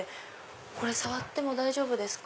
これ触っても大丈夫ですか？